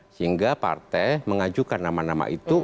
sehingga partai mengajukan nama nama itu